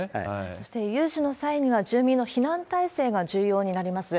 そして、有事の際には、住民の避難体制が重要になります。